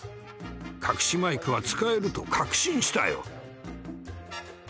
隠しマイクは使えると確信したよ。